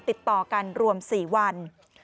ติดต่อกันรวม๔วัน